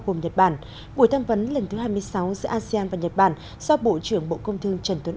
gồm nhật bản buổi tham vấn lần thứ hai mươi sáu giữa asean và nhật bản do bộ trưởng bộ công thương trần tuấn